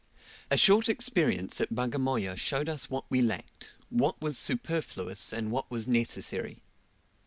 A short experience at Bagamoya showed us what we lacked, what was superfluous, and what was necessary.